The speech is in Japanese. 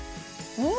うん。